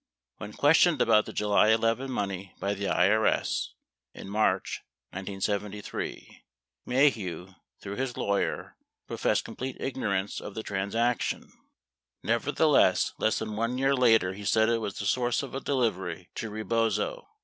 When questioned about the July 11 money by the IRS (in March 1973), Maheu, through his lawyer, professed complete ignorance of the transaction. 58 Nevertheless, less than 1 year later he said it was the source of a delivery to Rebozo.